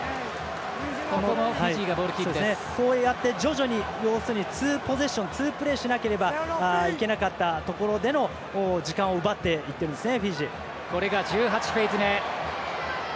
こうやって徐々にツーポゼッションツープレーしなければいけなかったところでの時間を奪っていってるんですね。